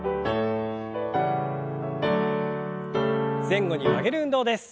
前後に曲げる運動です。